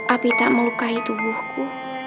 api tak melukai tubuhku